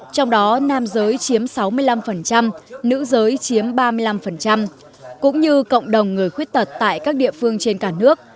trong đó nam giới chiếm sáu mươi năm nữ giới chiếm ba mươi năm cũng như cộng đồng người khuyết tật tại các địa phương trên cả nước